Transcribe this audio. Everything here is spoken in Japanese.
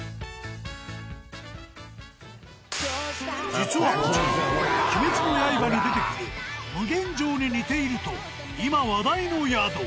実はこちら『鬼滅の刃』に出てくる無限城に似ていると今話題の宿。